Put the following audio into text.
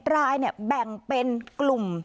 ๕๑รายเนี่ยแบ่งเป็นกลุ่ม